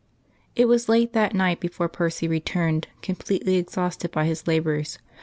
II It was late that night before Percy returned, completely exhausted by his labours.